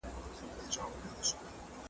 نړوي به سوځوي به .